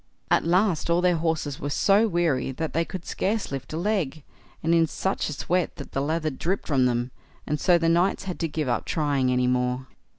At last all their horses were so weary that they could scarce lift a leg, and in such a sweat that the lather dripped from them, and so the knights had to give up trying any more.